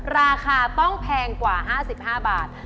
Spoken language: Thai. ราคาต้องแพงกว่า๕๕บาท